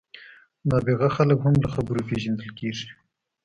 نابغه خلک هم له خبرو پېژندل کېږي.